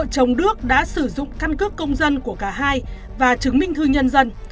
chồng đước đã sử dụng căn cước công dân của cả hai và chứng minh thư nhân dân